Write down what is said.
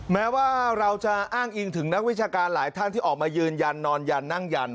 แม้ว่าเราจะอ้างอิงถึงนักวิชาการหลายท่านที่ออกมายืนยันนอนยันนั่งยัน